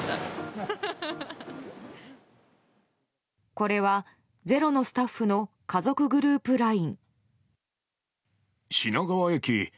これは「ｚｅｒｏ」のスタッフの家族グループＬＩＮＥ。